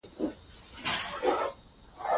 د نجونو تعليم د ټولنې شفافيت پراخوي.